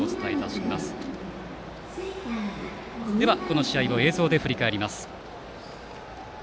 では、この試合を映像で振り返ります。